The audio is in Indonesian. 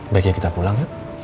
baiknya kita pulang ya